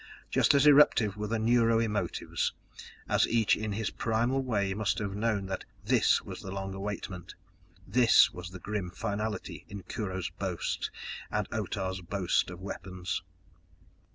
Just as eruptive were the neuro emotives, as each in his primal way must have known that this was the long awaitment, this was the grim finality in Kurho's boast and Otah's boast of weapons.